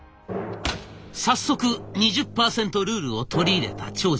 早速２０％ルールを取り入れた長司。